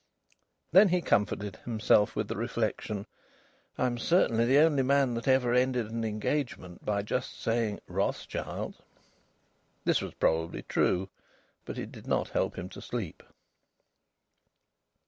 Then he comforted himself with the reflection: "I'm certainly the only man that ever ended an engagement by just saying 'Rothschild!'" This was probably true. But it did not help him to sleep.